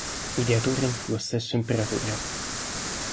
Ideatore fu lo stesso imperatore.